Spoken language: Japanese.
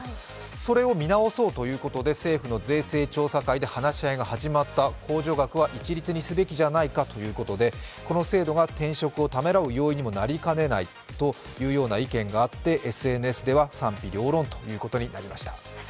それを見直そうということで政府の税制調査会で話し合いが始まった、控除額は一律にすべきじゃないかということでこの制度が転職をためらう要因になりかねないということがあってＳＮＳでは賛否両論ということになりました。